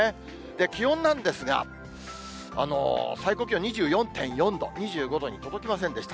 気温なんですが、最高気温２４．４度、２５度に届きませんでした。